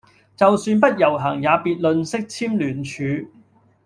就算不遊行也別吝嗇簽聯署